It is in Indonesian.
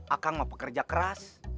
akang mau pekerja keras